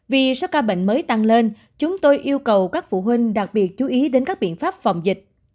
vì số ca bệnh mới tăng lên chúng tôi yêu cầu các phụ huynh đặc biệt chú ý đến các biện pháp phòng dịch